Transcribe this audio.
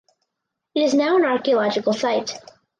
It is now an archaeological site.